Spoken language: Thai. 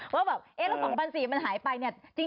ว่าแบบเอ๊ะแล้ว๒๔๐๐มันหายไปเนี่ย